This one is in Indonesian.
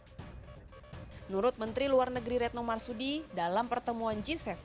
menurut menteri luar negeri retno marsudi dalam pertemuan g tujuh